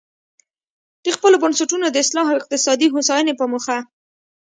د خپلو بنسټونو د اصلاح او اقتصادي هوساینې په موخه.